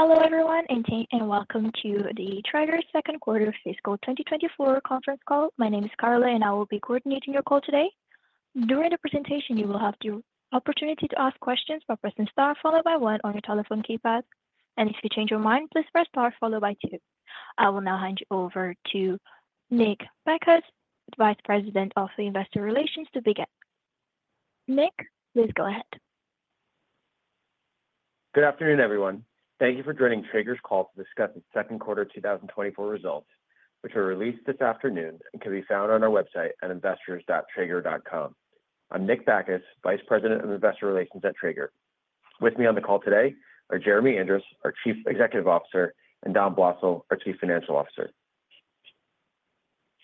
Hello, everyone, and welcome to the Traeger second quarter fiscal 2024 conference call. My name is Carla, and I will be coordinating your call today. During the presentation, you will have the opportunity to ask questions by pressing star followed by one on your telephone keypad. If you change your mind, please press star followed by two. I will now hand you over to Nick Baccus, Vice President of Investor Relations, to begin. Nick, please go ahead. Good afternoon, everyone. Thank you for joining Traeger's call to discuss the second quarter 2024 results, which were released this afternoon and can be found on our website at investors.traeger.com. I'm Nick Bacchus, Vice President of Investor Relations at Traeger. With me on the call today are Jeremy Andrus, our Chief Executive Officer, and Dom Blosser, our Chief Financial Officer.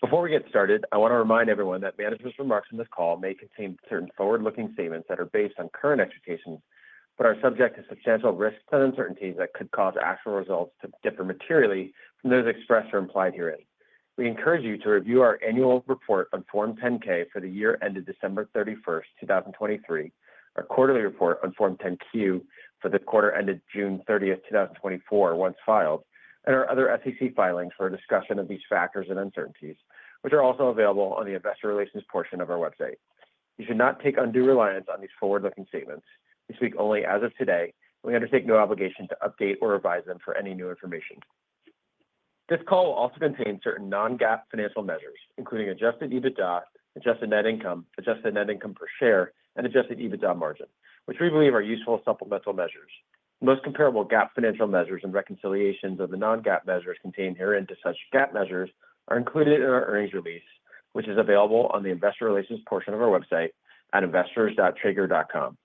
Before we get started, I want to remind everyone that management's remarks on this call may contain certain forward-looking statements that are based on current expectations, but are subject to substantial risks and uncertainties that could cause actual results to differ materially from those expressed or implied herein. We encourage you to review our annual report on Form 10-K for the year ended December 31, 2023, our quarterly report on Form 10-Q for the quarter ended June 30, 2024, once filed, and our other SEC filings for a discussion of these factors and uncertainties, which are also available on the investor relations portion of our website. You should not take undue reliance on these forward-looking statements. They speak only as of today, and we undertake no obligation to update or revise them for any new information. This call will also contain certain non-GAAP financial measures, including Adjusted EBITDA, Adjusted Net Income, Adjusted Net Income per share, and Adjusted EBITDA margin, which we believe are useful supplemental measures. Most comparable GAAP financial measures and reconciliations of the non-GAAP measures contained herein to such GAAP measures are included in our earnings release, which is available on the investor relations portion of our website at investors.traeger.com.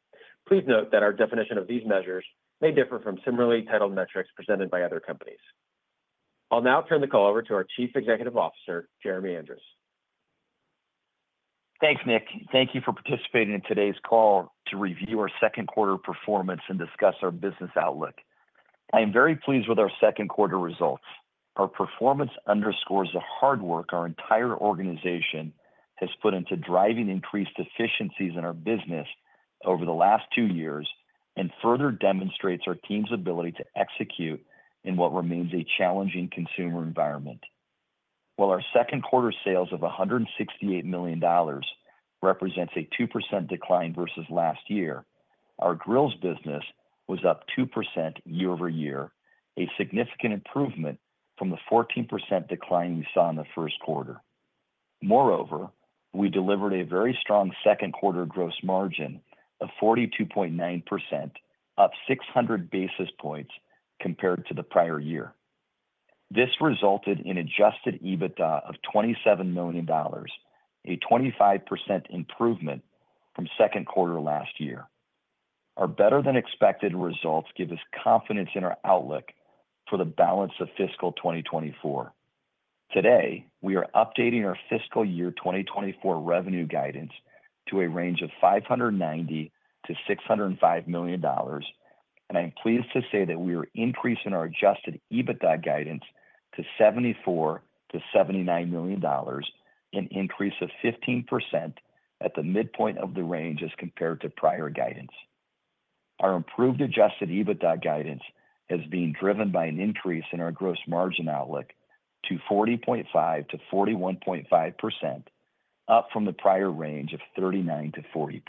Please note that our definition of these measures may differ from similarly titled metrics presented by other companies. I'll now turn the call over to our Chief Executive Officer, Jeremy Andrus. Thanks, Nick. Thank you for participating in today's call to review our second quarter performance and discuss our business outlook. I am very pleased with our second quarter results. Our performance underscores the hard work our entire organization has put into driving increased efficiencies in our business over the last two years, and further demonstrates our team's ability to execute in what remains a challenging consumer environment. While our second quarter sales of $168 million represents a 2% decline versus last year, our grills business was up 2% year-over-year, a significant improvement from the 14% decline we saw in the first quarter. Moreover, we delivered a very strong second quarter gross margin of 42.9%, up 600 basis points compared to the prior year. This resulted in adjusted EBITDA of $27 million, a 25% improvement from second quarter last year. Our better-than-expected results give us confidence in our outlook for the balance of fiscal 2024. Today, we are updating our fiscal year 2024 revenue guidance to a range of $590 million-$605 million, and I'm pleased to say that we are increasing our adjusted EBITDA guidance to $74 million-$79 million, an increase of 15% at the midpoint of the range as compared to prior guidance. Our improved adjusted EBITDA guidance is being driven by an increase in our gross margin outlook to 40.5%-41.5%, up from the prior range of 39%-40%.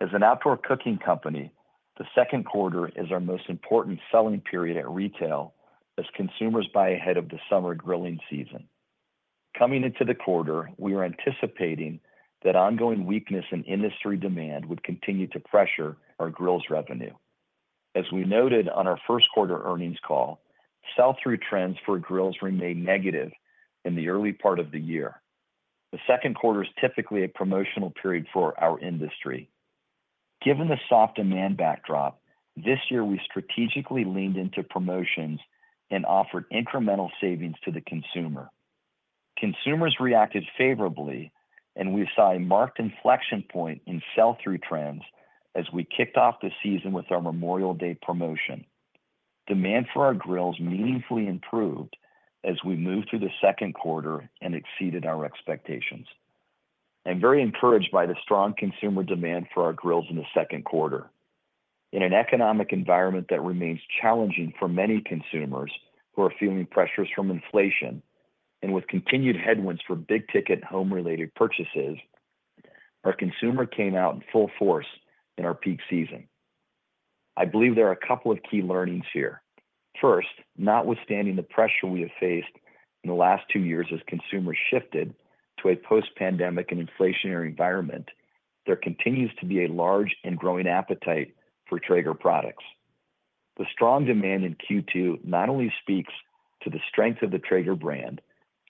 As an outdoor cooking company, the second quarter is our most important selling period at retail as consumers buy ahead of the summer grilling season. Coming into the quarter, we were anticipating that ongoing weakness in industry demand would continue to pressure our grills revenue. As we noted on our first quarter earnings call, sell-through trends for grills remained negative in the early part of the year. The second quarter is typically a promotional period for our industry. Given the soft demand backdrop, this year we strategically leaned into promotions and offered incremental savings to the consumer. Consumers reacted favorably, and we saw a marked inflection point in sell-through trends as we kicked off the season with our Memorial Day promotion. Demand for our grills meaningfully improved as we moved through the second quarter and exceeded our expectations. I'm very encouraged by the strong consumer demand for our grills in the second quarter. In an economic environment that remains challenging for many consumers who are feeling pressures from inflation and with continued headwinds for big-ticket home-related purchases, our consumer came out in full force in our peak season. I believe there are a couple of key learnings here. First, notwithstanding the pressure we have faced in the last two years as consumers shifted to a post-pandemic and inflationary environment, there continues to be a large and growing appetite for Traeger products. The strong demand in Q2 not only speaks to the strength of the Traeger brand,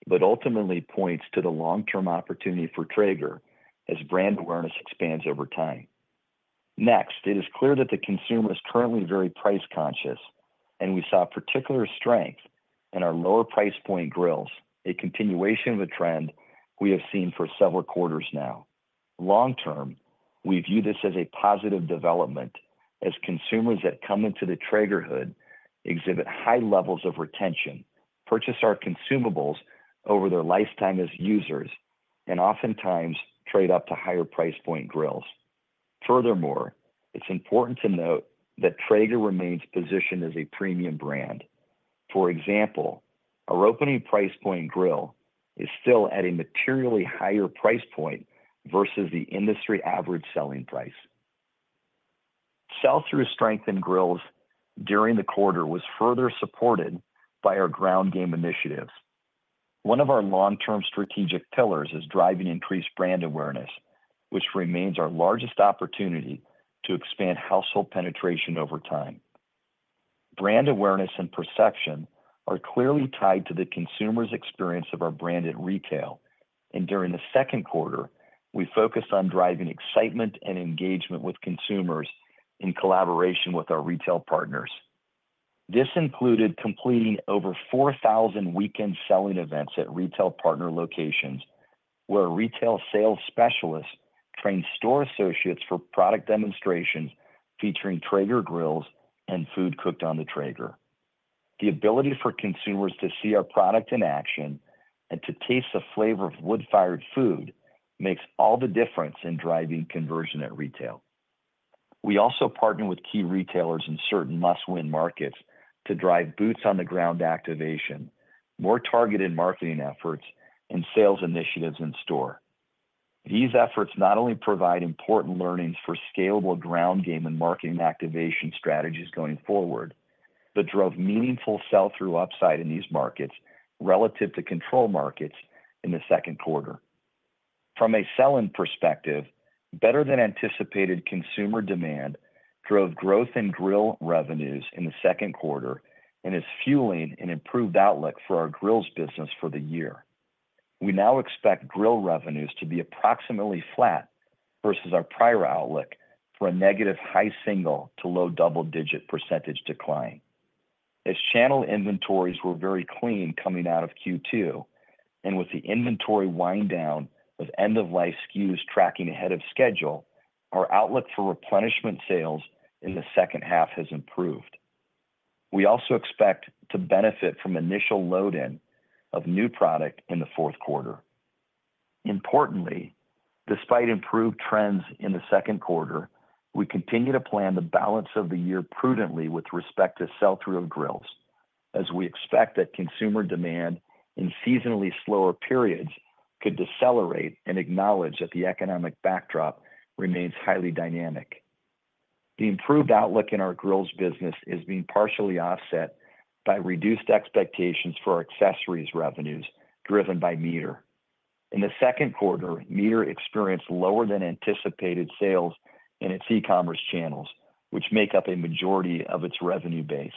but ultimately points to the long-term opportunity for Traeger as brand awareness expands over time. Next, it is clear that the consumer is currently very price conscious, and we saw particular strength in our lower price point grills, a continuation of a trend we have seen for several quarters now. Long term, we view this as a positive development, as consumers that come into the Traegerhood exhibit high levels of retention, purchase our consumables over their lifetime as users and oftentimes trade up to higher price point grills. Furthermore, it's important to note that Traeger remains positioned as a premium brand. For example, our opening price point grill is still at a materially higher price point versus the industry average selling price. Sell-through strength in grills during the quarter was further supported by our ground game initiatives. One of our long-term strategic pillars is driving increased brand awareness, which remains our largest opportunity to expand household penetration over time. Brand awareness and perception are clearly tied to the consumer's experience of our brand at retail, and during the second quarter, we focused on driving excitement and engagement with consumers in collaboration with our retail partners. This included completing over 4,000 weekend selling events at retail partner locations, where retail sales specialists trained store associates for product demonstrations featuring Traeger grills and food cooked on the Traeger. The ability for consumers to see our product in action and to taste the flavor of wood-fired food makes all the difference in driving conversion at retail. We also partnered with key retailers in certain must-win markets to drive boots on the ground activation, more targeted marketing efforts, and sales initiatives in store. These efforts not only provide important learnings for scalable ground game and marketing activation strategies going forward, but drove meaningful sell-through upside in these markets relative to control markets in the second quarter. From a sell-in perspective, better than anticipated consumer demand drove growth in grill revenues in the second quarter and is fueling an improved outlook for our grills business for the year. We now expect grill revenues to be approximately flat versus our prior outlook for a negative high single- to low double-digit % decline. As channel inventories were very clean coming out of Q2, and with the inventory wind down of end-of-life SKUs tracking ahead of schedule, our outlook for replenishment sales in the second half has improved. We also expect to benefit from initial load-in of new product in the fourth quarter. Importantly, despite improved trends in the second quarter, we continue to plan the balance of the year prudently with respect to sell-through of grills, as we expect that consumer demand in seasonally slower periods could decelerate and acknowledge that the economic backdrop remains highly dynamic. The improved outlook in our grills business is being partially offset by reduced expectations for our accessories revenues, driven by MEATER. In the second quarter, MEATER experienced lower than anticipated sales in its e-commerce channels, which make up a majority of its revenue base.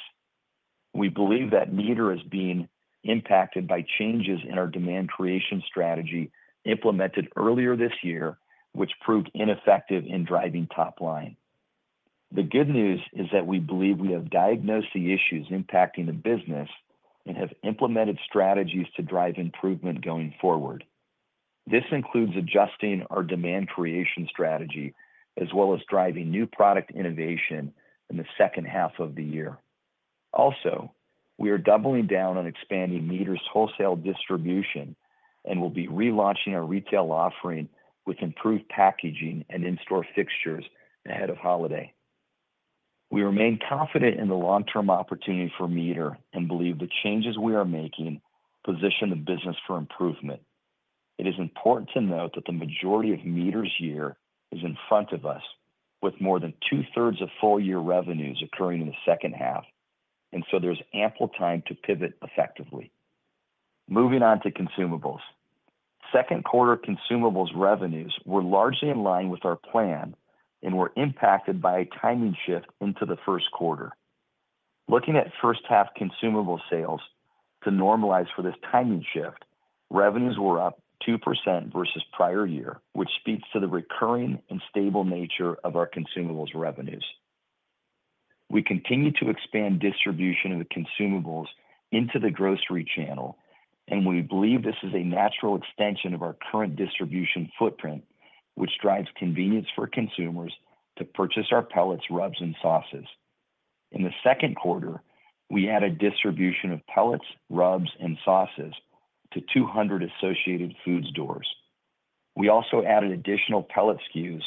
We believe that MEATER is being impacted by changes in our demand creation strategy implemented earlier this year, which proved ineffective in driving top line. The good news is that we believe we have diagnosed the issues impacting the business and have implemented strategies to drive improvement going forward. This includes adjusting our demand creation strategy, as well as driving new product innovation in the second half of the year. Also, we are doubling down on expanding MEATER's wholesale distribution and will be relaunching our retail offering with improved packaging and in-store fixtures ahead of holiday. We remain confident in the long-term opportunity for MEATER and believe the changes we are making position the business for improvement. It is important to note that the majority of MEATER's year is in front of us, with more than two-thirds of full-year revenues occurring in the second half, and so there's ample time to pivot effectively. Moving on to consumables. Second quarter consumables revenues were largely in line with our plan and were impacted by a timing shift into the first quarter. Looking at first half consumable sales to normalize for this timing shift, revenues were up 2% versus prior year, which speaks to the recurring and stable nature of our consumables revenues. We continue to expand distribution of consumables into the grocery channel, and we believe this is a natural extension of our current distribution footprint, which drives convenience for consumers to purchase our pellets, rubs, and sauces. In the second quarter, we added distribution of pellets, rubs, and sauces to 200 Associated Food Stores stores. We also added additional pellet SKUs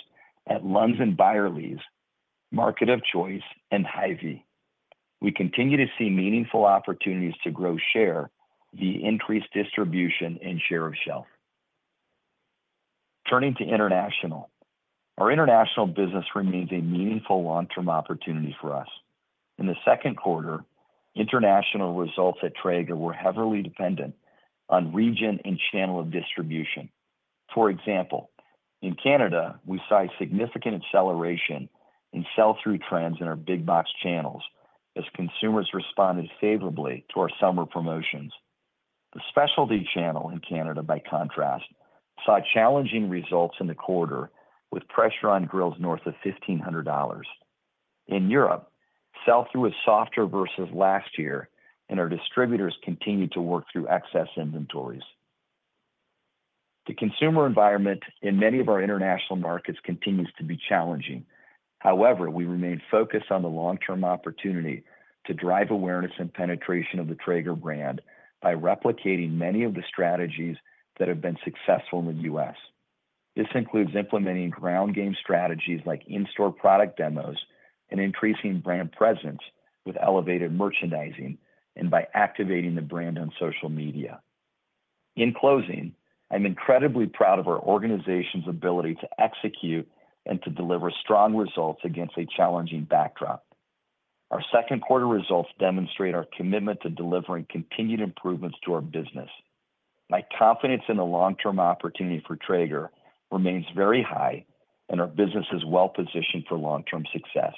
at Lunds & Byerlys, Market of Choice, and Hy-Vee. We continue to see meaningful opportunities to grow share the increased distribution and share of shelf. Turning to international. Our international business remains a meaningful long-term opportunity for us. In the second quarter, international results at Traeger were heavily dependent on region and channel of distribution. For example, in Canada, we saw significant acceleration in sell-through trends in our big box channels as consumers responded favorably to our summer promotions. The specialty channel in Canada, by contrast, saw challenging results in the quarter, with pressure on grills north of $1,500. In Europe, sell-through was softer versus last year, and our distributors continued to work through excess inventories. The consumer environment in many of our international markets continues to be challenging. However, we remain focused on the long-term opportunity to drive awareness and penetration of the Traeger brand by replicating many of the strategies that have been successful in the U.S. This includes implementing ground game strategies like in-store product demos and increasing brand presence with elevated merchandising and by activating the brand on social media. In closing, I'm incredibly proud of our organization's ability to execute and to deliver strong results against a challenging backdrop. Our second quarter results demonstrate our commitment to delivering continued improvements to our business. My confidence in the long-term opportunity for Traeger remains very high, and our business is well positioned for long-term success.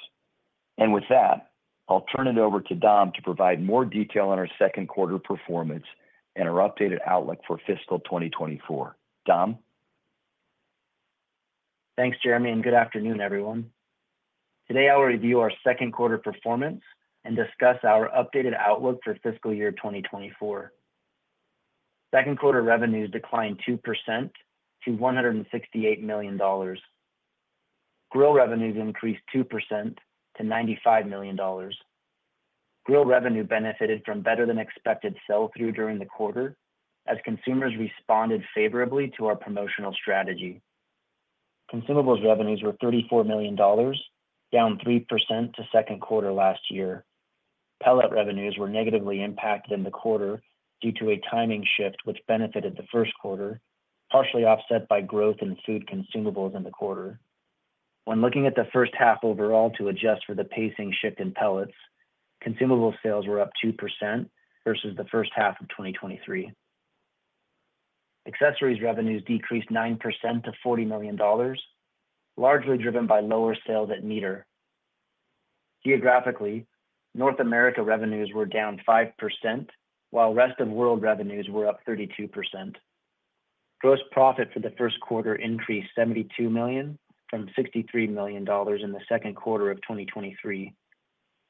With that, I'll turn it over to Dom to provide more detail on our second quarter performance and our updated outlook for fiscal 2024. Dom? Thanks, Jeremy, and good afternoon, everyone. Today, I'll review our second quarter performance and discuss our updated outlook for fiscal year 2024. Second quarter revenues declined 2% to $168 million. Grill revenues increased 2% to $95 million. Grill revenue benefited from better than expected sell-through during the quarter, as consumers responded favorably to our promotional strategy. Consumables revenues were $34 million, down 3% to second quarter last year. Pellet revenues were negatively impacted in the quarter due to a timing shift, which benefited the first quarter, partially offset by growth in food consumables in the quarter. When looking at the first half overall to adjust for the pacing shift in pellets, consumable sales were up 2% versus the first half of 2023. Accessories revenues decreased 9% to $40 million, largely driven by lower sales at MEATER. Geographically, North America revenues were down 5%, while rest of world revenues were up 32%. Gross profit for the first quarter increased $72 million from $63 million in the second quarter of 2023.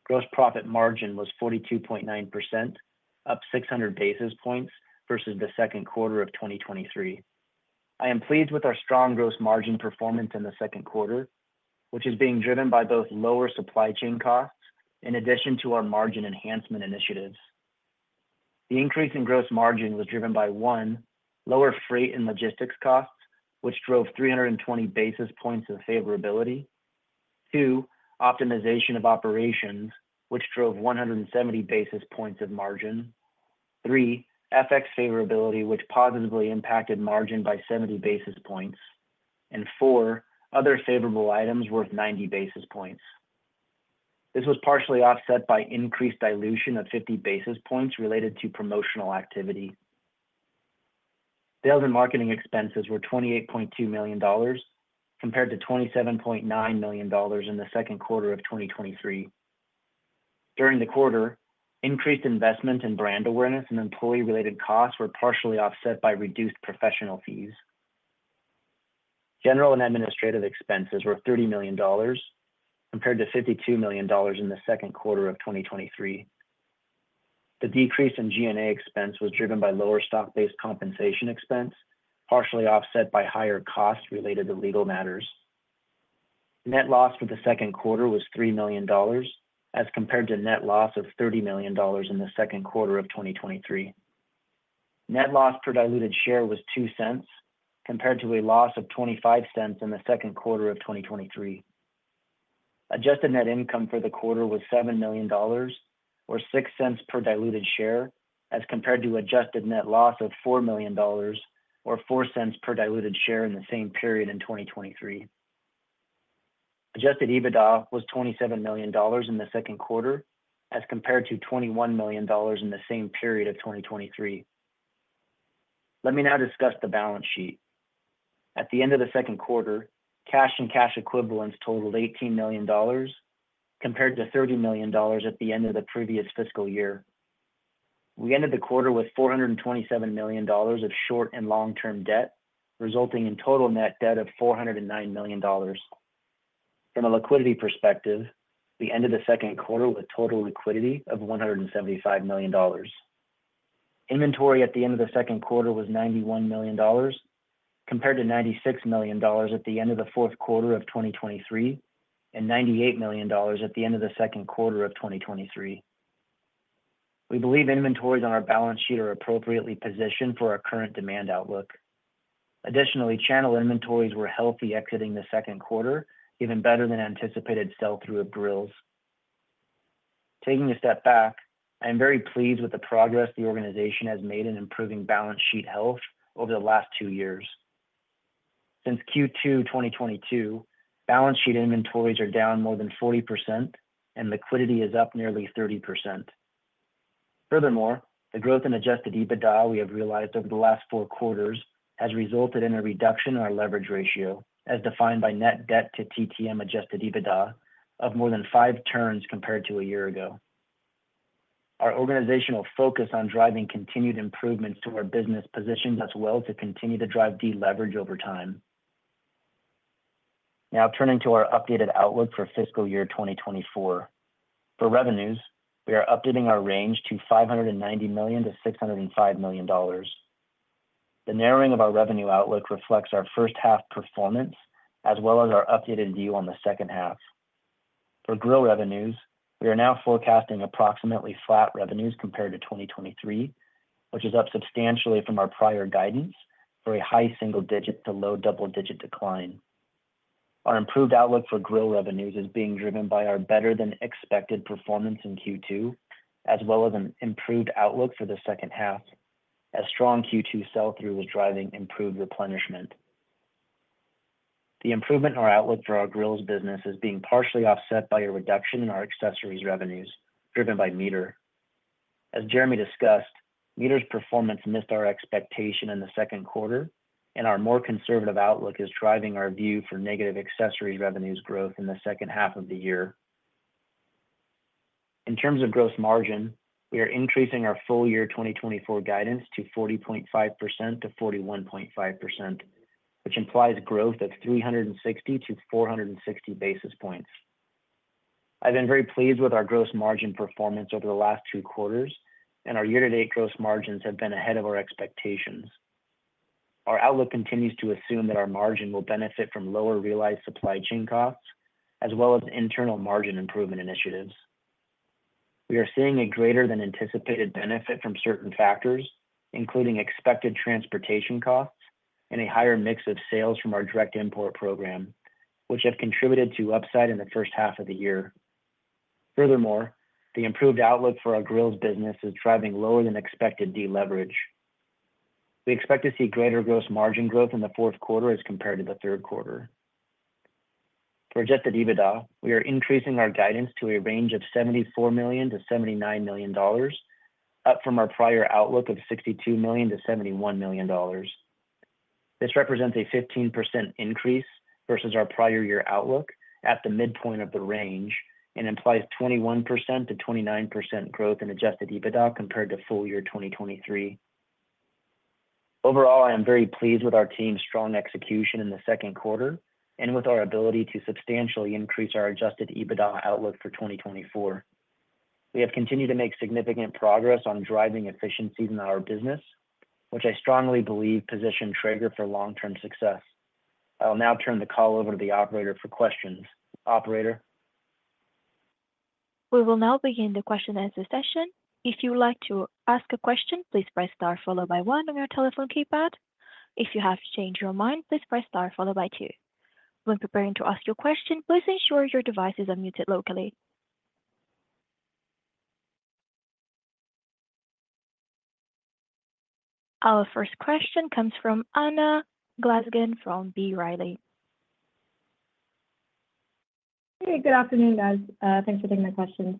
Gross profit margin was 42.9%, up 600 basis points versus the second quarter of 2023. I am pleased with our strong gross margin performance in the second quarter, which is being driven by both lower supply chain costs in addition to our margin enhancement initiatives. The increase in gross margin was driven by, one, lower freight and logistics costs, which drove 320 basis points of favorability. Two, optimization of operations, which drove 170 basis points of margin. Three, FX favorability, which positively impacted margin by 70 basis points. And four, other favorable items worth 90 basis points. This was partially offset by increased dilution of 50 basis points related to promotional activity. Sales and marketing expenses were $28.2 million, compared to $27.9 million in the second quarter of 2023. During the quarter, increased investment in brand awareness and employee-related costs were partially offset by reduced professional fees. General and administrative expenses were $30 million, compared to $52 million in the second quarter of 2023. The decrease in G&A expense was driven by lower stock-based compensation expense, partially offset by higher costs related to legal matters. Net loss for the second quarter was $3 million, as compared to net loss of $30 million in the second quarter of 2023. Net loss per diluted share was $0.02, compared to a loss of $0.25 in the second quarter of 2023. Adjusted net income for the quarter was $7 million or $0.06 per diluted share, as compared to adjusted net loss of $4 million or $0.04 per diluted share in the same period in 2023. Adjusted EBITDA was $27 million in the second quarter, as compared to $21 million in the same period of 2023. Let me now discuss the balance sheet. At the end of the second quarter, cash and cash equivalents totaled $18 million, compared to $30 million at the end of the previous fiscal year. We ended the quarter with $427 million of short and long-term debt, resulting in total net debt of $409 million. From a liquidity perspective, we ended the second quarter with total liquidity of $175 million. Inventory at the end of the second quarter was $91 million, compared to $96 million at the end of the fourth quarter of 2023, and $98 million at the end of the second quarter of 2023. We believe inventories on our balance sheet are appropriately positioned for our current demand outlook. Additionally, channel inventories were healthy exiting the second quarter, even better than anticipated sell-through of grills. Taking a step back, I am very pleased with the progress the organization has made in improving balance sheet health over the last two years. Since Q2 2022, balance sheet inventories are down more than 40% and liquidity is up nearly 30%. Furthermore, the growth in Adjusted EBITDA we have realized over the last four quarters has resulted in a reduction in our leverage ratio, as defined by net debt to TTM Adjusted EBITDA of more than five turns compared to a year ago. Our organizational focus on driving continued improvements to our business positions us well to continue to drive deleverage over time. Now, turning to our updated outlook for fiscal year 2024. For revenues, we are updating our range to $590 million-$605 million. The narrowing of our revenue outlook reflects our first half performance, as well as our updated view on the second half. For grill revenues, we are now forecasting approximately flat revenues compared to 2023, which is up substantially from our prior guidance for a high single digit to low double-digit decline. Our improved outlook for grill revenues is being driven by our better-than-expected performance in Q2, as well as an improved outlook for the second half, as strong Q2 sell-through was driving improved replenishment. The improvement in our outlook for our grills business is being partially offset by a reduction in our accessories revenues, driven by MEATER. As Jeremy discussed, MEATER's performance missed our expectation in the second quarter, and our more conservative outlook is driving our view for negative accessories revenues growth in the second half of the year. In terms of gross margin, we are increasing our full year 2024 guidance to 40.5%-41.5%, which implies growth of 360-460 basis points. I've been very pleased with our gross margin performance over the last two quarters, and our year-to-date gross margins have been ahead of our expectations. Our outlook continues to assume that our margin will benefit from lower realized supply chain costs, as well as internal margin improvement initiatives. We are seeing a greater than anticipated benefit from certain factors, including expected transportation costs and a higher mix of sales from our direct import program, which have contributed to upside in the first half of the year. Furthermore, the improved outlook for our grills business is driving lower than expected deleverage. We expect to see greater gross margin growth in the fourth quarter as compared to the third quarter. For Adjusted EBITDA, we are increasing our guidance to a range of $74 million-$79 million, up from our prior outlook of $62 million-$71 million. This represents a 15% increase versus our prior year outlook at the midpoint of the range and implies 21%-29% growth in adjusted EBITDA compared to full year 2023. Overall, I am very pleased with our team's strong execution in the second quarter and with our ability to substantially increase our adjusted EBITDA outlook for 2024. We have continued to make significant progress on driving efficiencies in our business, which I strongly believe position Traeger for long-term success. I will now turn the call over to the operator for questions. Operator? We will now begin the question and answer session. If you would like to ask a question, please press star followed by one on your telephone keypad. If you have to change your mind, please press star followed by two. When preparing to ask your question, please ensure your devices are muted locally. Our first question comes from Anna Glaessgen from B. Riley. Hey, good afternoon, guys. Thanks for taking my question.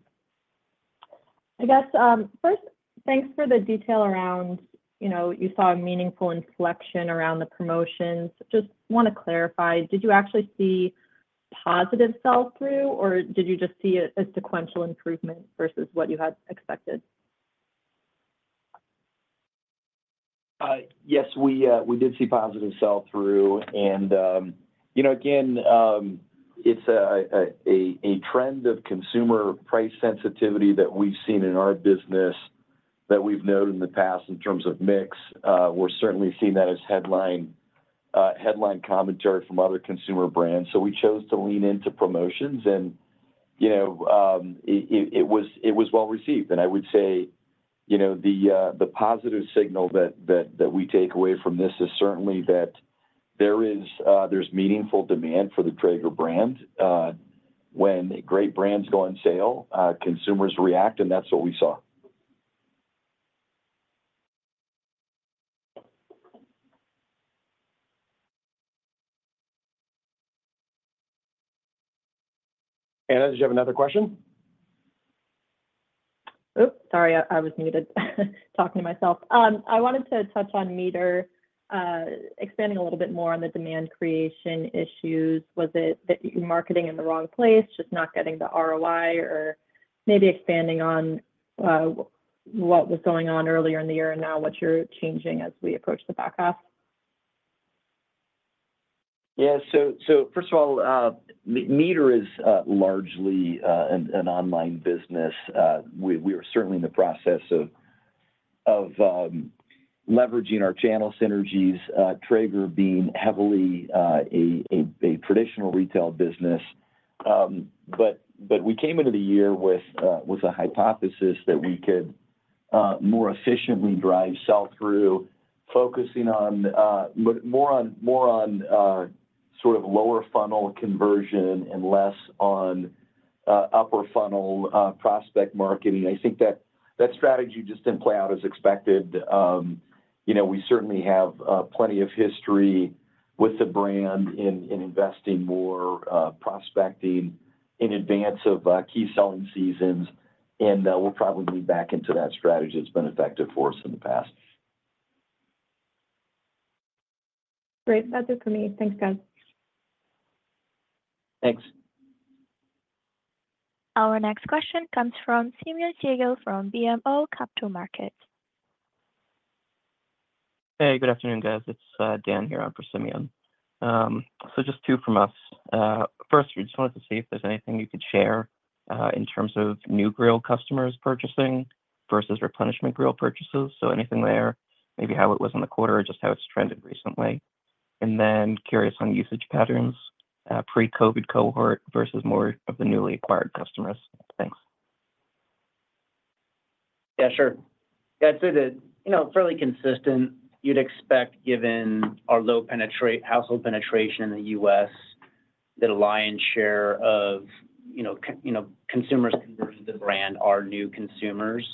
I guess, first, thanks for the detail around, you know, you saw a meaningful inflection around the promotions. Just wanna clarify, did you actually see positive sell-through, or did you just see a sequential improvement versus what you had expected? Yes, we did see positive sell-through. And, you know, again, it's a trend of consumer price sensitivity that we've seen in our business, that we've known in the past in terms of mix. We're certainly seeing that as headline commentary from other consumer brands. So we chose to lean into promotions and, you know, it was well received. And I would say, you know, the positive signal that we take away from this is certainly that there is, there's meaningful demand for the Traeger brand. When great brands go on sale, consumers react, and that's what we saw. Anna, did you have another question? Oops! Sorry, I was muted. Talking to myself. I wanted to touch on MEATER, expanding a little bit more on the demand creation issues. Was it that you're marketing in the wrong place, just not getting the ROI or maybe expanding on what was going on earlier in the year and now what you're changing as we approach the back half? Yeah. So first of all, MEATER is largely an online business. We are certainly in the process of leveraging our channel synergies, Traeger being heavily a traditional retail business. But we came into the year with a hypothesis that we could more efficiently drive sell-through, focusing more on sort of lower funnel conversion and less on upper funnel prospect marketing. I think that that strategy just didn't play out as expected. You know, we certainly have plenty of history with the brand in investing more prospecting in advance of key selling seasons, and we'll probably be back into that strategy. It's been effective for us in the past. Great. That's it for me. Thanks, guys. Thanks. Our next question comes from Simeon Siegel from BMO Capital Markets. Hey, good afternoon, guys. It's Dan here on for Simeon. So just two from us. First, we just wanted to see if there's anything you could share in terms of new grill customers purchasing versus replenishment grill purchases. So anything there, maybe how it was in the quarter or just how it's trended recently. And then curious on usage patterns pre-COVID cohort versus more of the newly acquired customers. Thanks. Yeah, sure. Yeah, I'd say that, you know, fairly consistent, you'd expect, given our low household penetration in the U.S., that a lion's share of, you know, consumers converting to the brand are new consumers.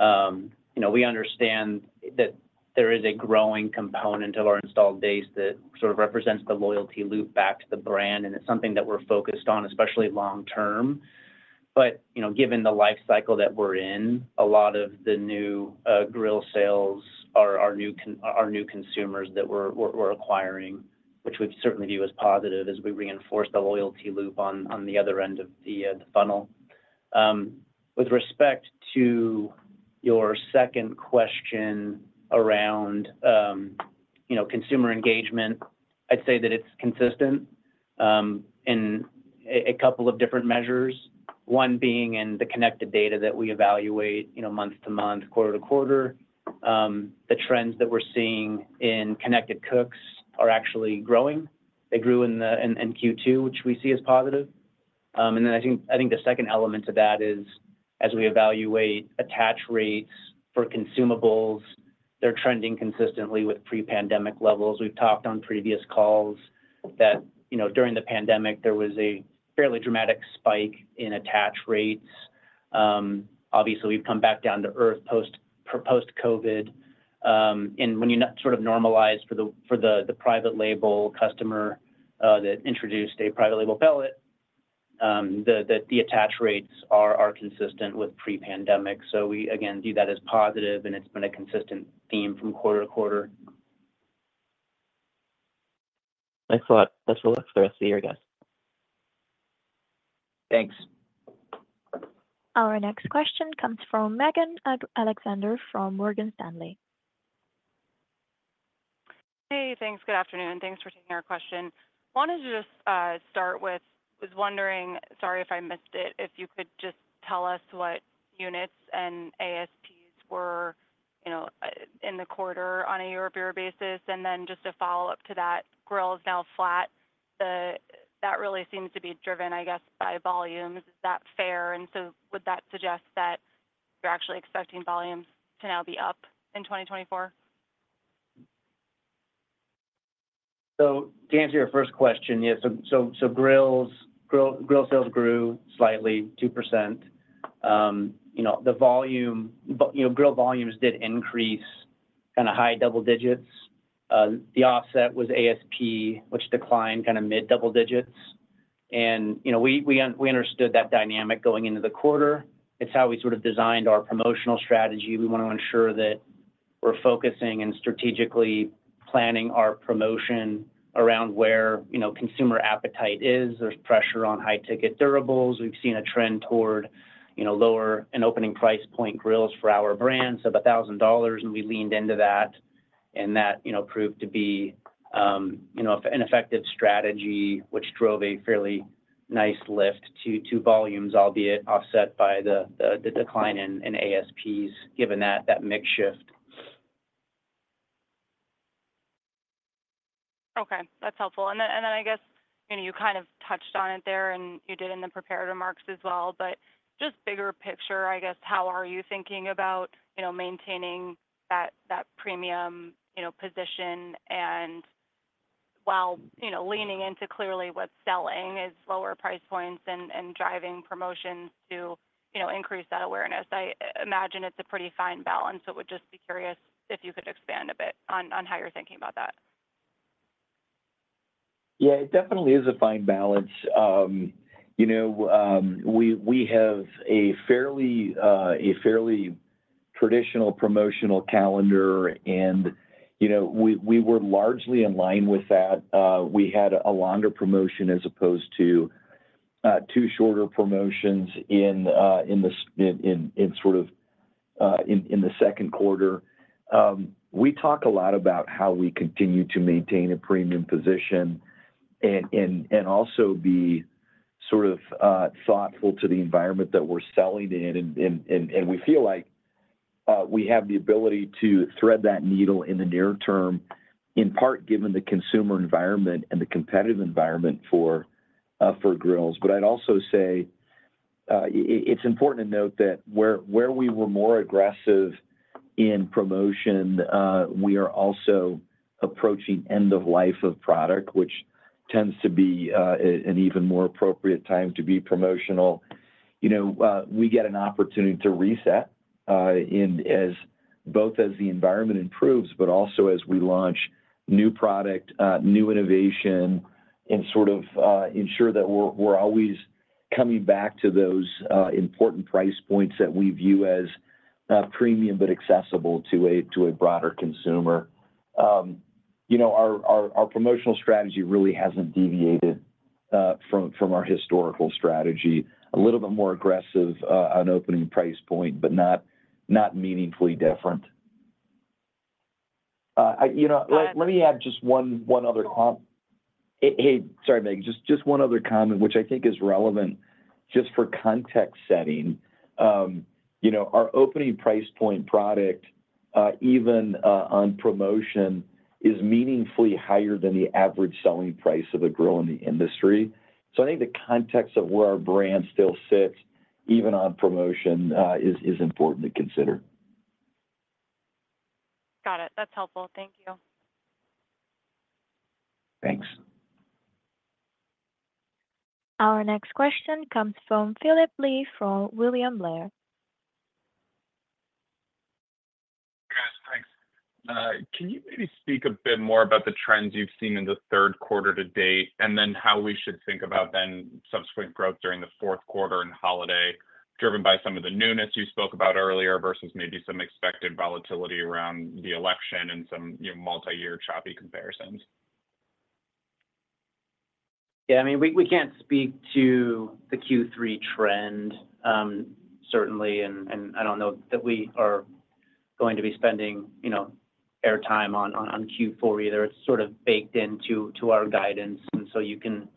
You know, we understand that there is a growing component of our installed base that sort of represents the loyalty loop back to the brand, and it's something that we're focused on, especially long term. But, you know, given the life cycle that we're in, a lot of the new grill sales are new consumers that we're acquiring, which we'd certainly view as positive as we reinforce the loyalty loop on the other end of the funnel. With respect to your second question around, you know, consumer engagement, I'd say that it's consistent in a couple of different measures. One being in the connected data that we evaluate, you know, month to month, quarter to quarter. The trends that we're seeing in connected cooks are actually growing. They grew in Q2, which we see as positive. And then I think the second element to that is as we evaluate attach rates for consumables, they're trending consistently with pre-pandemic levels. We've talked on previous calls that, you know, during the pandemic, there was a fairly dramatic spike in attach rates. Obviously, we've come back down to earth post-COVID. And when you sort of normalize for the private label customer that introduced a private label pellet, the attach rates are consistent with pre-pandemic. So we again view that as positive, and it's been a consistent theme from quarter to quarter. Thanks a lot. Best of luck for the rest of the year, guys. Thanks. Our next question comes from Megan Alexander, from Morgan Stanley. Hey, thanks. Good afternoon, and thanks for taking our question. Wanted to just start with... Was wondering, sorry if I missed it, if you could just tell us what units and ASPs were, you know, in the quarter on a year-over-year basis. And then just a follow-up to that, grill is now flat. That really seems to be driven, I guess, by volume. Is that fair? And so would that suggest that you're actually expecting volumes to now be up in 2024? So to answer your first question, yes, grill sales grew slightly, 2%. You know, grill volumes did increase kind of high double digits. The offset was ASP, which declined kind of mid-double digits. And, you know, we understood that dynamic going into the quarter. It's how we sort of designed our promotional strategy. We want to ensure that we're focusing and strategically planning our promotion around where, you know, consumer appetite is. There's pressure on high ticket durables. We've seen a trend toward, you know, lower and opening price point grills for our brands of $1,000, and we leaned into that, and that, you know, proved to be, you know, an effective strategy, which drove a fairly nice lift to volumes, albeit offset by the decline in ASPs, given that mix shift. Okay, that's helpful. And then I guess, you know, you kind of touched on it there, and you did in the prepared remarks as well, but just bigger picture, I guess, how are you thinking about, you know, maintaining that premium, you know, position? And while, you know, leaning into clearly what's selling is lower price points and driving promotions to, you know, increase that awareness. I imagine it's a pretty fine balance, so would just be curious if you could expand a bit on how you're thinking about that. Yeah, it definitely is a fine balance. You know, we have a fairly traditional promotional calendar and, you know, we were largely in line with that. We had a longer promotion as opposed to two shorter promotions in the second quarter. We talk a lot about how we continue to maintain a premium position and also be sort of thoughtful to the environment that we're selling in. We feel like we have the ability to thread that needle in the near term, in part, given the consumer environment and the competitive environment for grills. But I'd also say, it's important to note that where we were more aggressive in promotion, we are also approaching end of life of product, which tends to be an even more appropriate time to be promotional. You know, we get an opportunity to reset, in as both as the environment improves, but also as we launch new product, new innovation and sort of ensure that we're always coming back to those important price points that we view as premium, but accessible to a broader consumer. You know, our promotional strategy really hasn't deviated from our historical strategy. A little bit more aggressive on opening price point, but not meaningfully different. You know, let me add just one other com- Hey, sorry, Megan. Just one other comment, which I think is relevant just for context setting. You know, our opening price point product, even on promotion, is meaningfully higher than the average selling price of a grill in the industry. So I think the context of where our brand still sits, even on promotion, is important to consider. Got it. That's helpful. Thank you. Thanks. Our next question comes from Phillip Blee, from William Blair. Yes, thanks. Can you maybe speak a bit more about the trends you've seen in the third quarter to date, and then how we should think about then subsequent growth during the fourth quarter and holiday, driven by some of the newness you spoke about earlier, versus maybe some expected volatility around the election and some, you know, multi-year choppy comparisons? Yeah, I mean, we can't speak to the Q3 trend, certainly, and I don't know that we are going to be spending, you know, airtime on Q4 either. It's sort of baked into our guidance, and so you can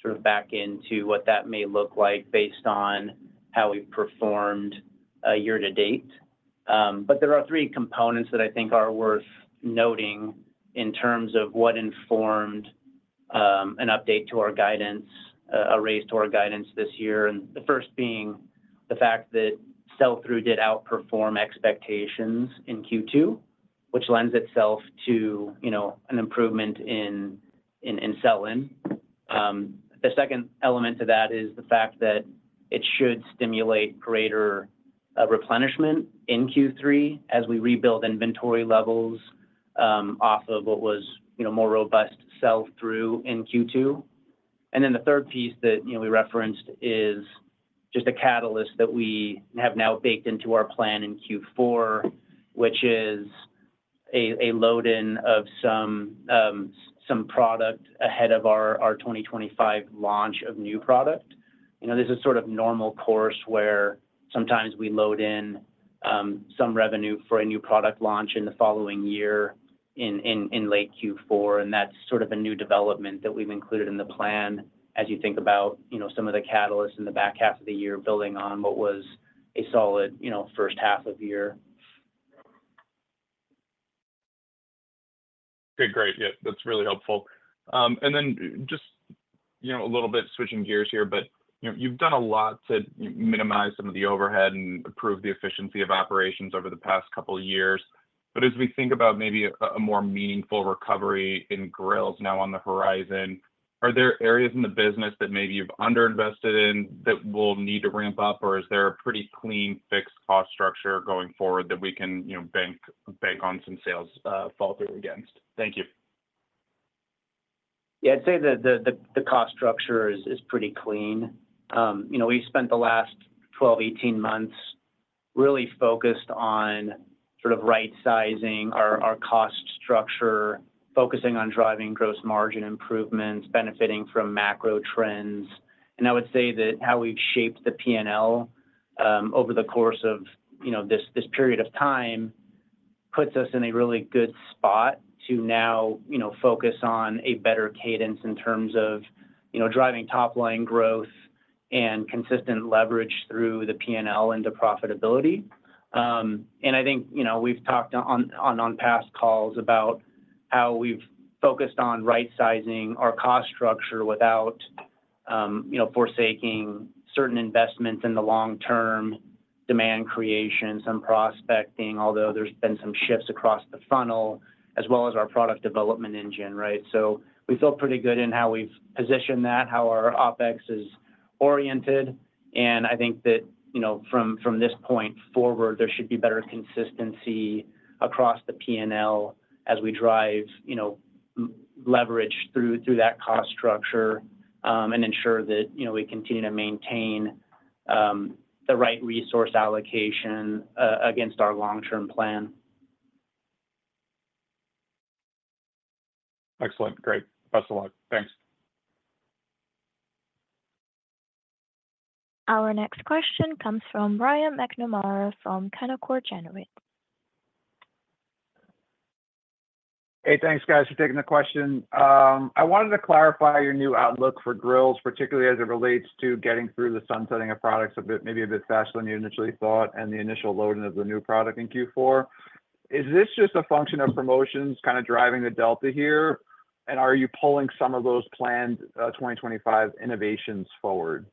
sort of back into what that may look like based on how we've performed year to date. But there are three components that I think are worth noting in terms of what informed an update to our guidance, a raise to our guidance this year. And the first being the fact that sell-through did outperform expectations in Q2, which lends itself to, you know, an improvement in sell-in. The second element to that is the fact that it should stimulate greater replenishment in Q3 as we rebuild inventory levels off of what was, you know, more robust sell-through in Q2. And then the third piece that, you know, we referenced is just a catalyst that we have now baked into our plan in Q4, which is a load-in of some some product ahead of our 2025 launch of new product. You know, this is sort of normal course, where sometimes we load in some revenue for a new product launch in the following year in late Q4, and that's sort of a new development that we've included in the plan as you think about, you know, some of the catalysts in the back half of the year, building on what was a solid, you know, first half of the year. Okay, great. Yeah, that's really helpful. And then just, you know, a little bit switching gears here, but, you know, you've done a lot to minimize some of the overhead and improve the efficiency of operations over the past couple of years. But as we think about maybe a more meaningful recovery in grills now on the horizon, are there areas in the business that maybe you've underinvested in that will need to ramp up? Or is there a pretty clean, fixed cost structure going forward that we can, you know, bank on some sell-through against? Thank you. Yeah, I'd say that the cost structure is pretty clean. You know, we spent the last 12, 18 months really focused on sort of right-sizing our cost structure, focusing on driving gross margin improvements, benefiting from macro trends. And I would say that how we've shaped the PNL over the course of, you know, this period of time, puts us in a really good spot to now, you know, focus on a better cadence in terms of, you know, driving top-line growth and consistent leverage through the PNL into profitability. And I think, you know, we've talked on past calls about how we've focused on right-sizing our cost structure without, you know, forsaking certain investments in the long-term demand creation, some prospecting, although there's been some shifts across the funnel, as well as our product development engine, right? So we feel pretty good in how we've positioned that, how our OpEx is oriented, and I think that, you know, from this point forward, there should be better consistency across the P&L as we drive, you know, margin leverage through that cost structure, and ensure that, you know, we continue to maintain the right resource allocation against our long-term plan. Excellent. Great. Best of luck. Thanks. Our next question comes from Brian McNamara, from Canaccord Genuity. Hey, thanks, guys, for taking the question. I wanted to clarify your new outlook for grills, particularly as it relates to getting through the sunsetting of products a bit, maybe a bit faster than you initially thought, and the initial loading of the new product in Q4. Is this just a function of promotions kind of driving the delta here? And are you pulling some of those planned 2025 innovations forward?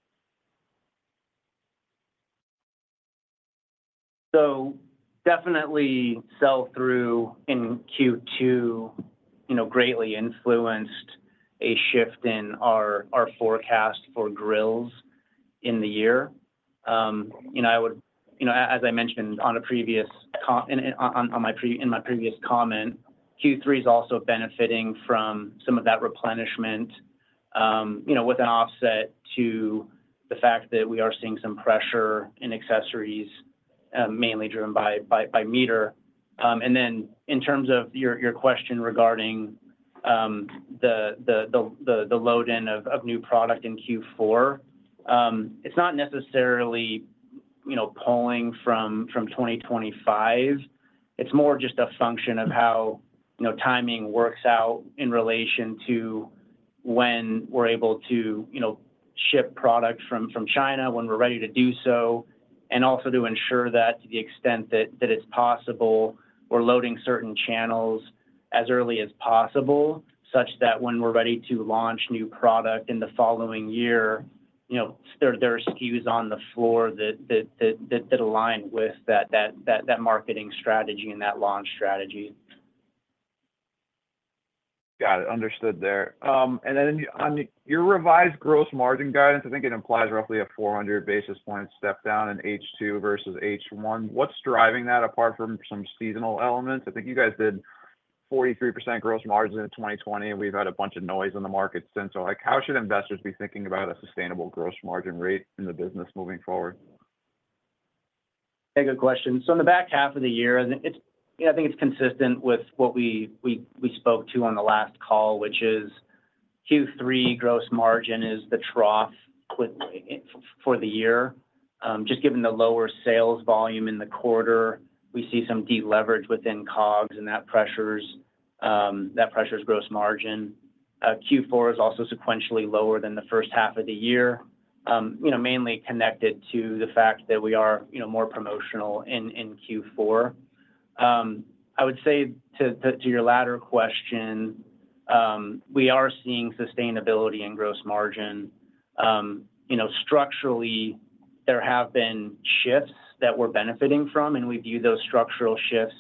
So definitely, sell-through in Q2, you know, greatly influenced a shift in our forecast for grills in the year. You know, as I mentioned in my previous comment, Q3 is also benefiting from some of that replenishment, you know, with an offset to the fact that we are seeing some pressure in accessories, mainly driven by MEATER. And then in terms of your question regarding the load in of new product in Q4, it's not necessarily, you know, pulling from 2025. It's more just a function of how, you know, timing works out in relation to when we're able to, you know, ship product from China, when we're ready to do so, and also to ensure that to the extent that it's possible, we're loading certain channels as early as possible, such that when we're ready to launch new product in the following year, you know, there are SKUs on the floor that align with that marketing strategy and that launch strategy. Got it. Understood there. And then on your revised gross margin guidance, I think it implies roughly a 400 basis point step down in H2 versus H1. What's driving that, apart from some seasonal elements? I think you guys did 43% gross margin in 2020, and we've had a bunch of noise in the market since. So, like, how should investors be thinking about a sustainable gross margin rate in the business moving forward? Hey, good question. So in the back half of the year, and it's—I think it's consistent with what we spoke to on the last call, which is Q3 gross margin is the trough with—for the year. Just given the lower sales volume in the quarter, we see some deleverage within COGS, and that pressures that pressures gross margin. Q4 is also sequentially lower than the first half of the year, you know, mainly connected to the fact that we are, you know, more promotional in Q4. I would say to your latter question, we are seeing sustainability and gross margin. You know, structurally, there have been shifts that we're benefiting from, and we view those structural shifts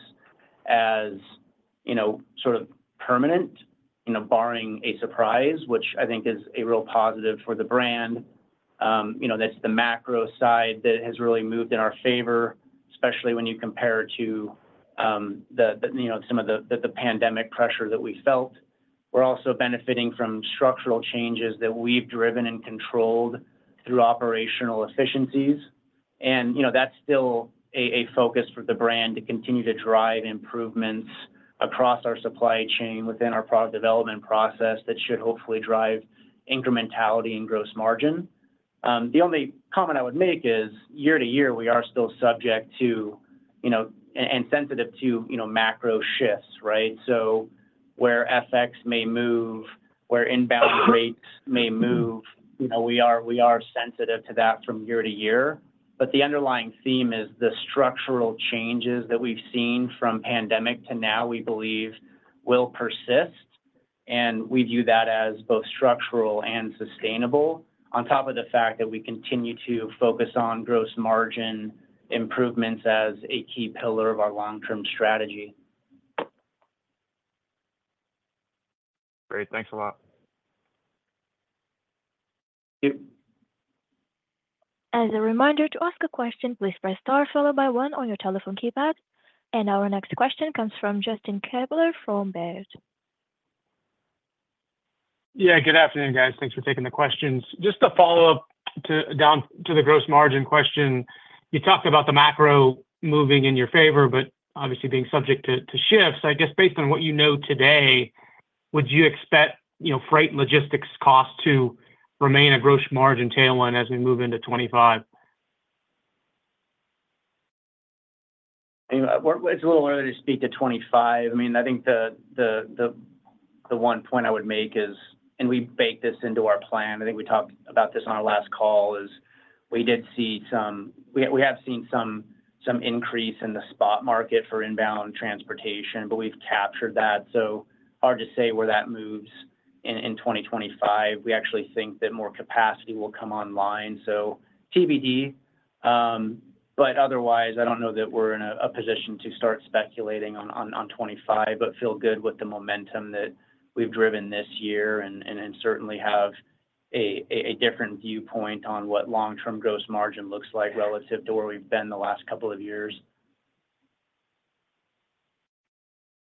as, you know, sort of permanent, you know, barring a surprise, which I think is a real positive for the brand. You know, that's the macro side that has really moved in our favor, especially when you compare to the, you know, some of the pandemic pressure that we felt. We're also benefiting from structural changes that we've driven and controlled through operational efficiencies. And, you know, that's still a focus for the brand to continue to drive improvements across our supply chain, within our product development process. That should hopefully drive incrementality and gross margin. The only comment I would make is year to year, we are still subject to, you know, and sensitive to, you know, macro shifts, right? So where FX may move, where inbound rates may move, you know, we are, we are sensitive to that from year to year. But the underlying theme is the structural changes that we've seen from pandemic to now, we believe will persist, and we view that as both structural and sustainable, on top of the fact that we continue to focus on gross margin improvements as a key pillar of our long-term strategy. Great. Thanks a lot. Thank you. As a reminder to ask a question, please press Star, followed by one on your telephone keypad. Our next question comes from Justin Kleber, from Baird. Yeah, good afternoon, guys. Thanks for taking the questions. Just to follow up down to the gross margin question. You talked about the macro moving in your favor, but obviously being subject to shifts. I guess, based on what you know today, would you expect, you know, freight and logistics costs to remain a gross margin tailwind as we move into 2025? You know, we're—it's a little early to speak to 25. I mean, I think the one point I would make is, and we baked this into our plan, I think we talked about this on our last call, is we did see some—we have seen some increase in the spot market for inbound transportation, but we've captured that, so hard to say where that moves in 2025. We actually think that more capacity will come online, so TBD. But otherwise, I don't know that we're in a position to start speculating on 25, but feel good with the momentum that we've driven this year and certainly have a different viewpoint on what long-term gross margin looks like relative to where we've been the last couple of years.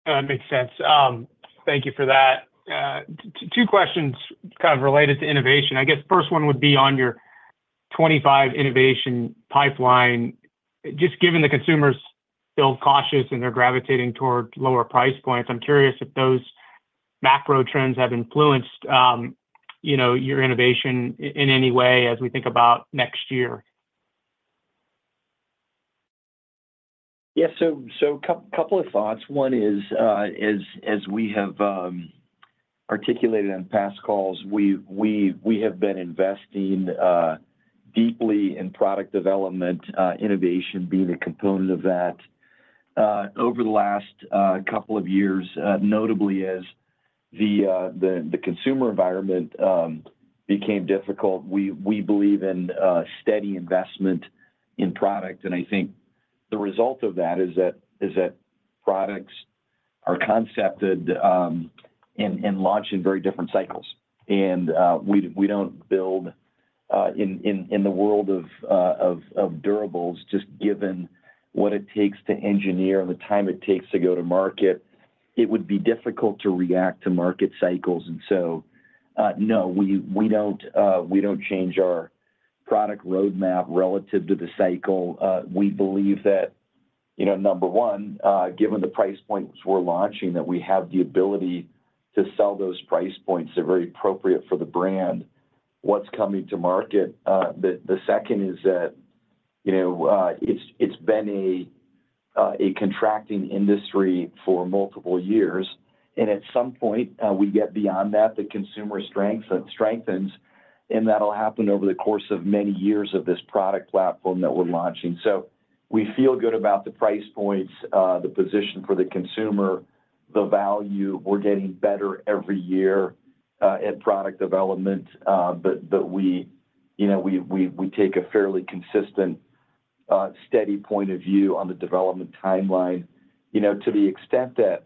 That makes sense. Thank you for that. Two questions kind of related to innovation. I guess first one would be on your 25 innovation pipeline. Just given the consumers feel cautious and they're gravitating toward lower price points, I'm curious if those macro trends have influenced, you know, your innovation in any way as we think about next year? Yeah. So, couple of thoughts. One is, as we have articulated on past calls, we have been investing deeply in product development, innovation being a component of that. Over the last couple of years, notably, as the consumer environment became difficult, we believe in steady investment in product. And I think the result of that is that products are concepted and launched in very different cycles. And we don't build in the world of durables, just given what it takes to engineer and the time it takes to go to market, it would be difficult to react to market cycles. And so- No, we don't change our product roadmap relative to the cycle. We believe that, you know, number one, given the price points we're launching, that we have the ability to sell those price points. They're very appropriate for the brand, what's coming to market. The second is that, you know, it's been a contracting industry for multiple years, and at some point, we get beyond that, the consumer strength, it strengthens, and that'll happen over the course of many years of this product platform that we're launching. So we feel good about the price points, the position for the consumer, the value. We're getting better every year at product development. But we, you know, we take a fairly consistent, steady point of view on the development timeline. You know, to the extent that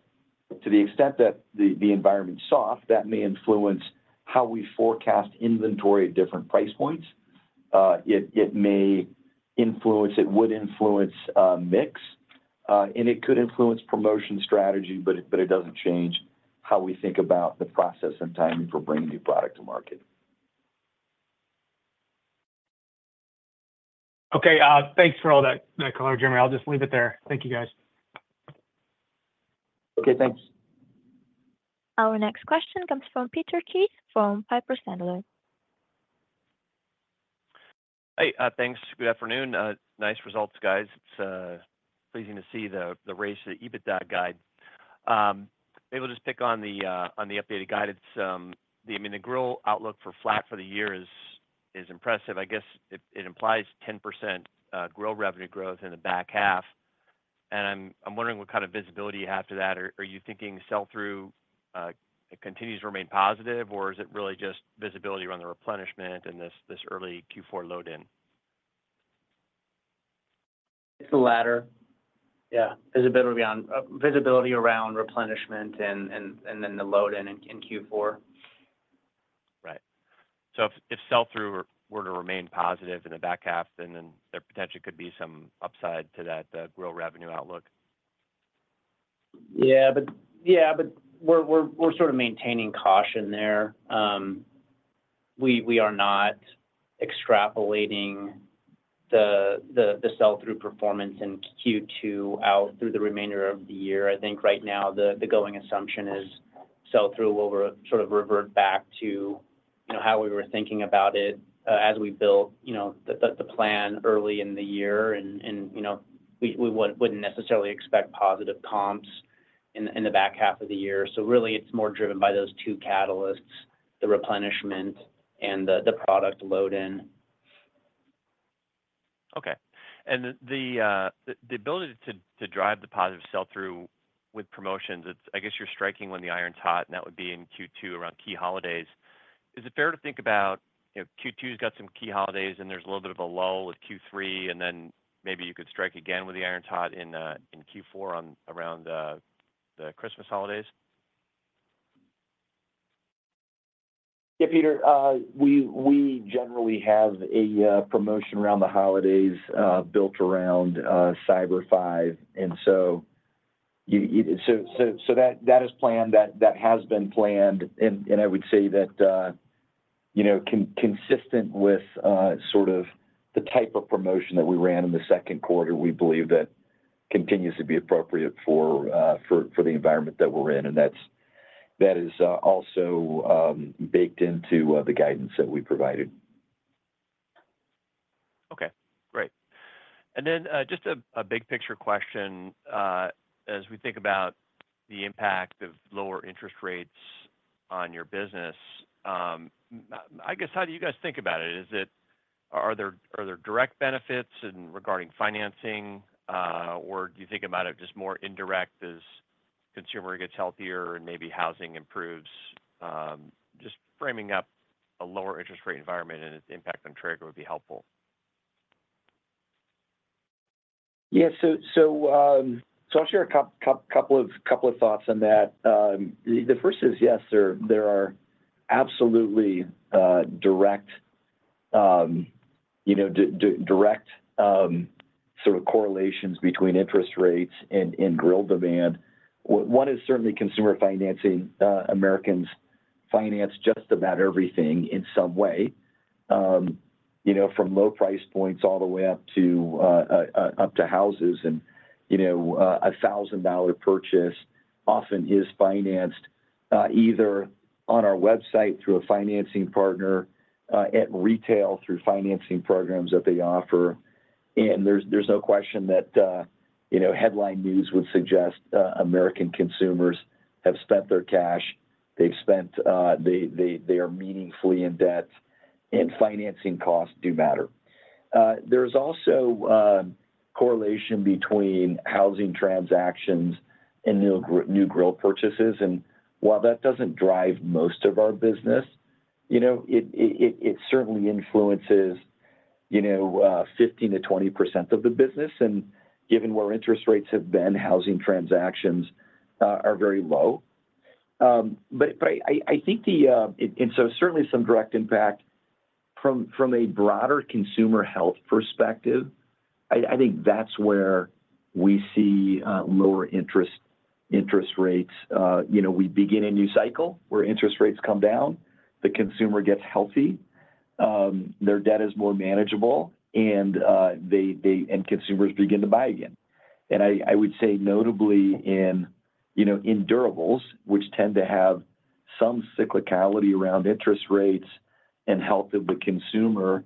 the environment's soft, that may influence how we forecast inventory at different price points. It may influence... It would influence mix, and it could influence promotion strategy, but it doesn't change how we think about the process and timing for bringing new product to market. Okay. Thanks for all that, Nick, Jeremy. I'll just leave it there. Thank you, guys. Okay, thanks. Our next question comes from Peter Keith, from Piper Sandler. Hey, thanks. Good afternoon. Nice results, guys. It's pleasing to see the raise to the EBITDA guide. Maybe we'll just pick on the updated guidance. I mean, the grill outlook for flat for the year is impressive. I guess it implies 10% grill revenue growth in the back half, and I'm wondering what kind of visibility you have to that. Or are you thinking sell-through it continues to remain positive, or is it really just visibility around the replenishment and this early Q4 load in? It's the latter. Yeah, visibility around replenishment and then the load in Q4. Right. So if sell-through were to remain positive in the back half, then there potentially could be some upside to that grill revenue outlook? Yeah, but we're sort of maintaining caution there. We are not extrapolating the sell-through performance in Q2 out through the remainder of the year. I think right now the going assumption is sell-through will sort of revert back to, you know, how we were thinking about it as we built, you know, the plan early in the year. And, you know, we wouldn't necessarily expect positive comps in the back half of the year. So really, it's more driven by those two catalysts, the replenishment and the product load in. Okay. And the ability to drive the positive sell-through with promotions. It's. I guess you're striking when the iron's hot, and that would be in Q2 around key holidays. Is it fair to think about, you know, Q2's got some key holidays, and there's a little bit of a lull with Q3, and then maybe you could strike again when the iron's hot in Q4 around the Christmas holidays? Yeah, Peter, we generally have a promotion around the holidays built around Cyber Five. And so that is planned, that has been planned. And I would say that, you know, consistent with sort of the type of promotion that we ran in the second quarter, we believe that continues to be appropriate for the environment that we're in. And that is also baked into the guidance that we provided. Okay, great. And then just a big picture question. As we think about the impact of lower interest rates on your business, I guess, how do you guys think about it? Is it—are there direct benefits regarding financing, or do you think about it just more indirect as consumer gets healthier and maybe housing improves? Just framing up a lower interest rate environment and its impact on Traeger would be helpful. Yeah. So, I'll share a couple of thoughts on that. The first is, yes, there are absolutely direct, you know, direct sort of correlations between interest rates and grill demand. One is certainly consumer financing. Americans finance just about everything in some way, you know, from low price points all the way up to houses. And, you know, a $1,000 purchase often is financed, either on our website through a financing partner, at retail, through financing programs that they offer. And there's no question that, you know, headline news would suggest American consumers have spent their cash, they've spent. They are meaningfully in debt, and financing costs do matter. There's also a correlation between housing transactions and new grill purchases. And while that doesn't drive most of our business, you know, it certainly influences, you know, 15%-20% of the business, and given where interest rates have been, housing transactions are very low. But I think the... And, so certainly some direct impact. From a broader consumer health perspective, I think that's where we see lower interest rates. You know, we begin a new cycle where interest rates come down, the consumer gets healthy, their debt is more manageable, and consumers begin to buy again. I would say notably in, you know, in durables, which tend to have some cyclicality around interest rates and health of the consumer,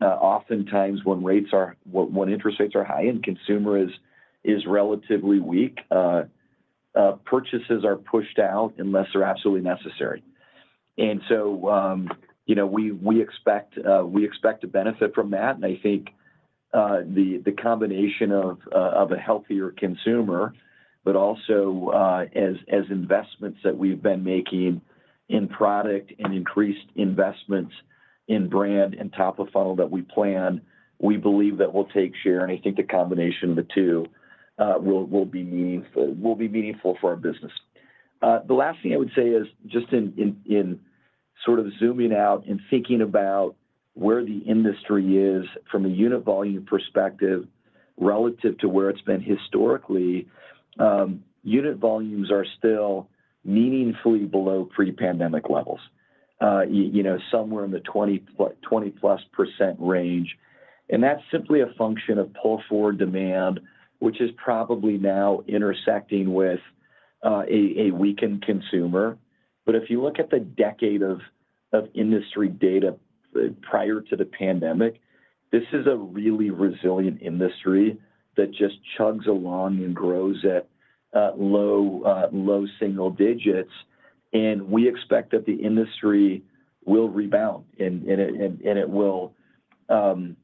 oftentimes when interest rates are high and consumer is relatively weak, purchases are pushed out unless they're absolutely necessary. And so, you know, we expect to benefit from that. And I think the combination of a healthier consumer, but also, as investments that we've been making in product and increased investments in brand and top of funnel that we plan, we believe that we'll take share. And I think the combination of the two will be meaningful for our business. The last thing I would say is just in sort of zooming out and thinking about where the industry is from a unit volume perspective relative to where it's been historically, unit volumes are still meaningfully below pre-pandemic levels. You know, somewhere in the 20-plus% range, and that's simply a function of pull-forward demand, which is probably now intersecting with a weakened consumer. But if you look at the decade of industry data prior to the pandemic, this is a really resilient industry that just chugs along and grows at low single digits. And we expect that the industry will rebound, and it will. and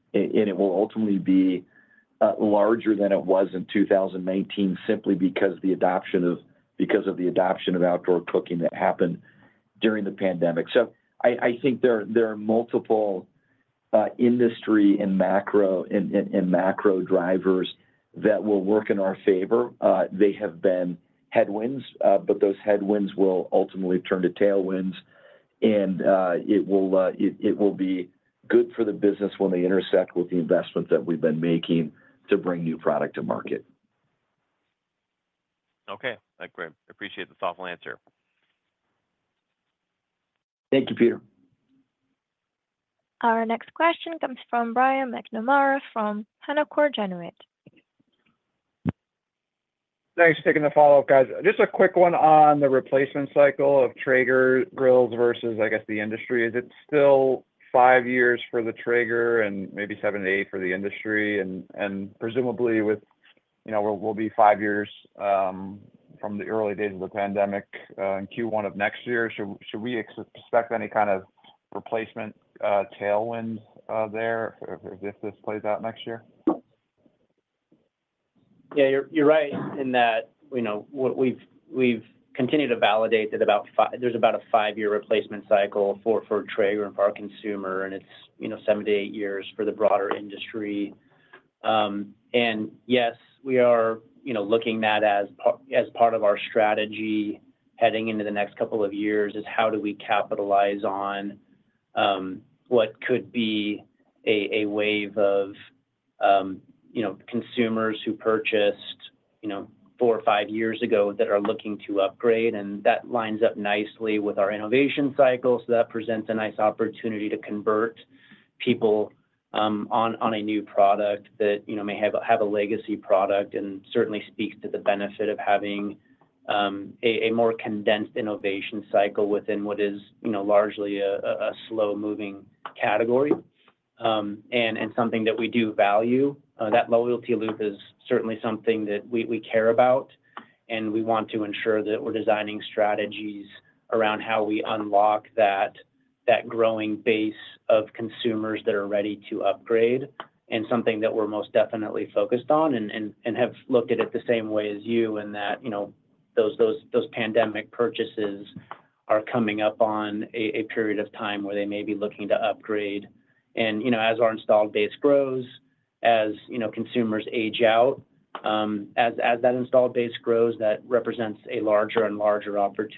it will ultimately be larger than it was in 2019, simply because the adoption because of the adoption of outdoor cooking that happened during the pandemic. So I, I think there, there are multiple industry and macro, and, and, and macro drivers that will work in our favor. They have been headwinds, but those headwinds will ultimately turn to tailwinds, and it will, it, it will be good for the business when they intersect with the investments that we've been making to bring new product to market. Okay, great. Appreciate the thoughtful answer. Thank you, Peter. Our next question comes from Brian McNamara, from Canaccord Genuity. Thanks for taking the follow-up, guys. Just a quick one on the replacement cycle of Traeger grills versus, I guess, the industry. Is it still 5 years for the Traeger and maybe 7-8 for the industry? And presumably with, you know, we'll be 5 years from the early days of the pandemic in Q1 of next year. Should we expect any kind of replacement tailwinds there, if this plays out next year? Yeah, you're, you're right in that, you know, what we've, we've continued to validate that about—there's about a 5-year replacement cycle for, for Traeger and for our consumer, and it's, you know, 7-8 years for the broader industry. And yes, we are, you know, looking at that as—as part of our strategy heading into the next couple of years, is how do we capitalize on, what could be a, a wave of, you know, consumers who purchased, you know, 4 or 5 years ago that are looking to upgrade? And that lines up nicely with our innovation cycle. So that presents a nice opportunity to convert people, on, on a new product that, you know, may have a, have a legacy product. And certainly speaks to the benefit of having a more condensed innovation cycle within what is, you know, largely a slow-moving category, and something that we do value. That loyalty loop is certainly something that we care about, and we want to ensure that we're designing strategies around how we unlock that growing base of consumers that are ready to upgrade. And something that we're most definitely focused on and have looked at it the same way as you, in that, you know, those pandemic purchases are coming up on a period of time where they may be looking to upgrade. And, you know, as our installed base grows, as you know, consumers age out, as that installed base grows, that represents a larger and larger opportunity-